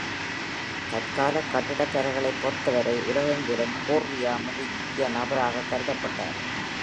தற்கால கட்டிடக்கலைகளைப் பொறுத்தவரை உலகெங்கிலும் கோர்ரியா முக்கிய நபராக கருதப்பட்டார்.